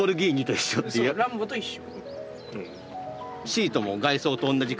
そうランボと一緒。